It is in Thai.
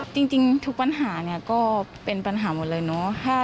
จริงทุกปัญหาเนี่ยก็เป็นปัญหาหมดเลยเนอะ